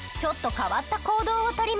変わった行動？